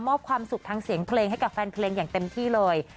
ความสุขทางเสียงเพลงให้กับแฟนเพลงอย่างเต็มที่เลย